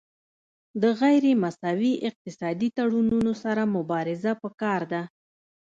د غیر مساوي اقتصادي تړونونو سره مبارزه پکار ده